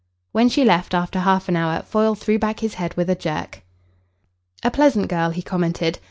When she left after half an hour, Foyle threw back his head with a jerk. "A pleasant girl," he commented.